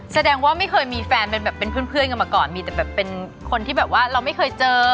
แสดงว่าไม่เคยมีแฟนเป็นแบบเป็นเพื่อนกันมาก่อนมีแต่แบบเป็นคนที่แบบว่าเราไม่เคยเจอ